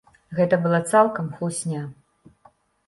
Гэта была цалкам хлусня.